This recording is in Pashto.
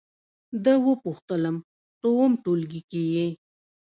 ده وپوښتلم: څووم ټولګي کې یې؟